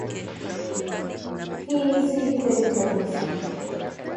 Hii si kweli kabisa.